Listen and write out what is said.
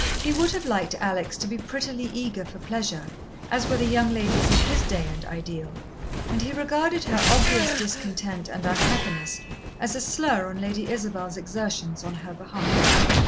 He would have liked Alex to be prettily eager for pleasure, as were the young ladies of his day and ideal, and he regarded her obvious discontent and unhappiness as a slur on Lady Isabel's exertions on her behalf.